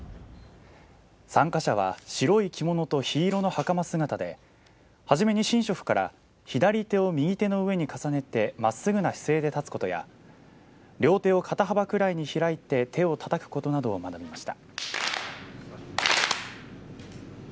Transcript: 参加者は白い着物とひ色のはかま姿で初めに神職から左手を右手の上に重ねてまっすぐな姿勢で立つことや両手を肩幅くらいに開いて手をたたくことなどを学びました。